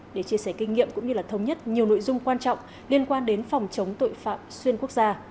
để chia sẻ kinh nghiệm cũng như thống nhất nhiều nội dung quan trọng liên quan đến phòng chống tội phạm xuyên quốc gia